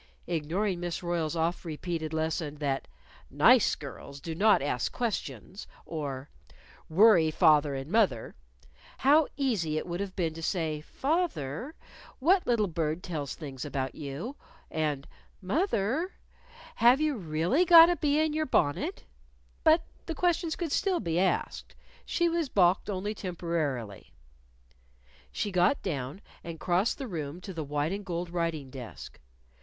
Ignoring Miss Royle's oft repeated lesson that "Nice little girls do not ask questions," or "worry father and mother," how easy it would have been to say, "Fath er, what little bird tells things about you?" and, "Moth er, have you really got a bee in your bonnet?" But the questions could still be asked. She was balked only temporarily. She got down and crossed the room to the white and gold writing desk.